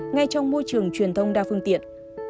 ngay trong môi trường truyền thông đa phương tiện